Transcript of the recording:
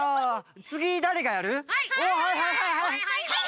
はいはい！